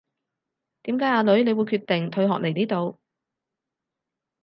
點解阿女你會決定退學嚟呢度